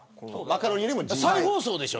再放送でしょ